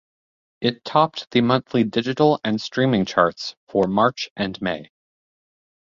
It topped the monthly Digital and Streaming charts for March and May.